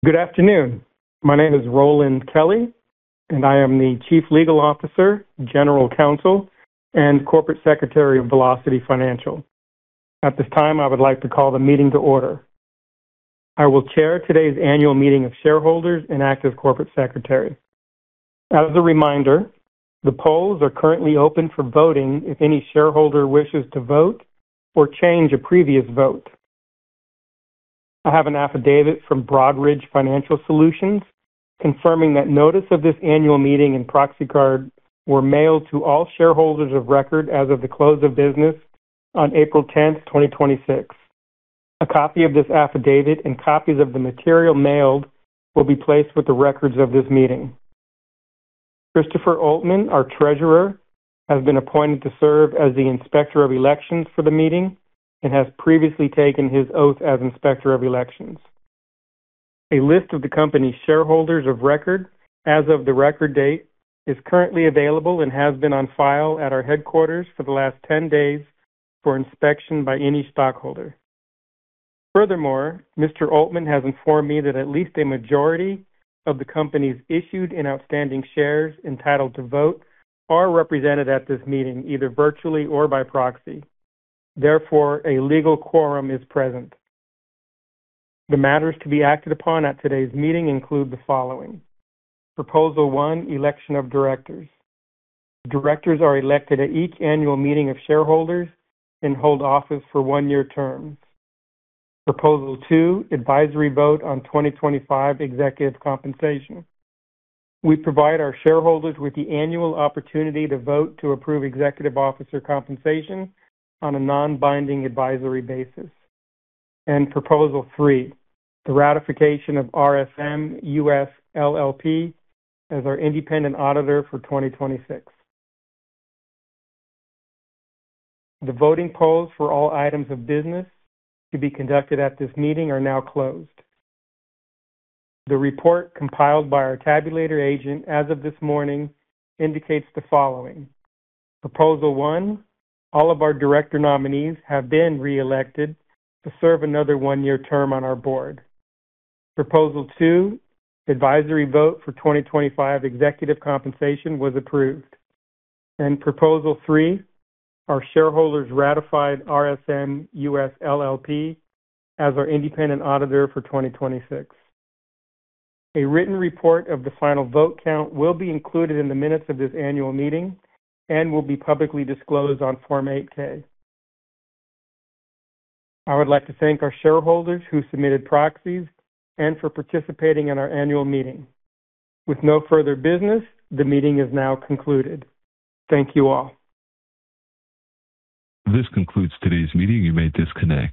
Good afternoon. My name is Roland Kelly, and I am the Chief Legal Officer, General Counsel, and Corporate Secretary of Velocity Financial. At this time, I would like to call the meeting to order. I will chair today's annual meeting of shareholders and act as corporate secretary. As a reminder, the polls are currently open for voting if any shareholder wishes to vote or change a previous vote. I have an affidavit from Broadridge Financial Solutions confirming that notice of this annual meeting and proxy card were mailed to all shareholders of record as of the close of business on April 10th, 2026. A copy of this affidavit and copies of the material mailed will be placed with the records of this meeting. Christopher Oltmann, our Treasurer, has been appointed to serve as the Inspector of Elections for the meeting and has previously taken his oath as Inspector of Elections. A list of the company shareholders of record as of the record date is currently available and has been on file at our headquarters for the last 10 days for inspection by any stockholder. Furthermore, Mr. Oltmann has informed me that at least a majority of the company's issued and outstanding shares entitled to vote are represented at this meeting, either virtually or by proxy. A legal quorum is present. The matters to be acted upon at today's meeting include the following. Proposal one, election of directors. Directors are elected at each annual meeting of shareholders and hold office for one-year terms. Proposal two, advisory vote on 2025 executive compensation. We provide our shareholders with the annual opportunity to vote to approve executive officer compensation on a non-binding advisory basis. Proposal three, the ratification of RSM US LLP as our independent auditor for 2026. The voting polls for all items of business to be conducted at this meeting are now closed. The report compiled by our tabulator agent as of this morning indicates the following. Proposal one, all of our director nominees have been reelected to serve another one-year term on our board. Proposal two, advisory vote for 2025 executive compensation was approved. Proposal three, our shareholders ratified RSM US LLP as our independent auditor for 2026. A written report of the final vote count will be included in the minutes of this annual meeting and will be publicly disclosed on Form 8-K. I would like to thank our shareholders who submitted proxies and for participating in our annual meeting. With no further business, the meeting is now concluded. Thank you all. This concludes today's meeting. You may disconnect.